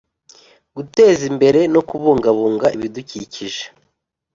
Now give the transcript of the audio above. Guteza imbere no kubungabunga ibidukikije